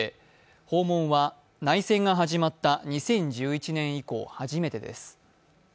訪問は内戦が始まった２０１１年以降初めてです。